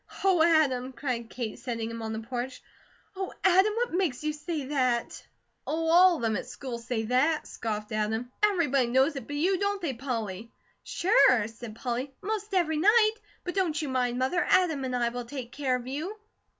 "Oh, Adam!" cried Kate, setting him on the porch. "Oh, Adam! What makes you say that?" "Oh, all of them at school say that," scoffed Adam. "Everybody knows it but you, don't they, Polly?" "Sure!" said Polly. "Most every night; but don't you mind, Mother, Adam and I will take care of you."